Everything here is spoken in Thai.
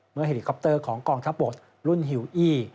เฮลิคอปเตอร์ของกองทัพบกรุ่นฮิวอี้